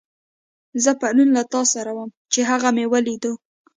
زه پرون له تاسره وم، چې هغه مې وليدو.